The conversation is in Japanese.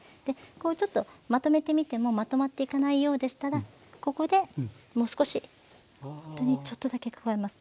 こうちょっとまとめてみてもまとまっていかないようでしたらここでもう少しほんとにちょっとだけ加えます。